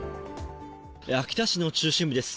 秋田市の中心部です。